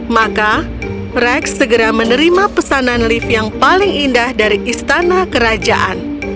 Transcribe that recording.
maka rex segera menerima pesanan lift yang paling indah dari istana kerajaan